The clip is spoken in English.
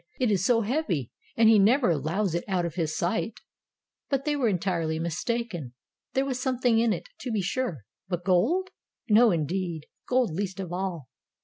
'Mt is so heavy, and he never allows it out of his sight." But they were entirely mistaken. There was something in it, to be sure. But gold ? No, indeed! Gold least of all.